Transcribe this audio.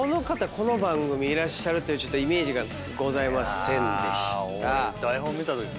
この番組いらっしゃるイメージがございませんでした。